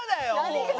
何が。